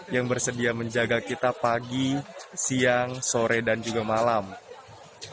yang bersedia memiliki kemampuan untuk menjaga kemampuan dan kemampuan yang diperlukan oleh bapak bapak tni